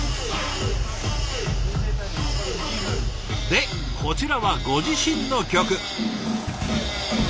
でこちらはご自身の曲。